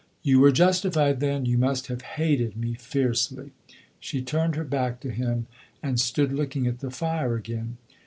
"You were justified then! You must have hated me fiercely." She turned her back to him and stood looking at the fire again.